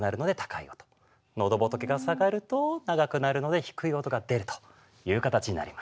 のどぼとけが下がると長くなるので低い音が出るという形になります。